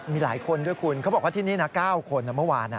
มีหลายคนด้วยคุณเขาบอกว่าที่นี่นะ๙คนเมื่อวาน